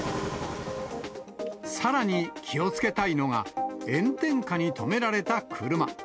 さらに気をつけたいのが、炎天下に止められた車。